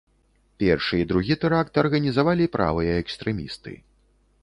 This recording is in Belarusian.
Першы і другі тэракт арганізавалі правыя экстрэмісты.